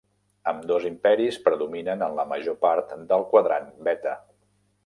Ambdós imperis predominen en la major part del Quadrant Beta.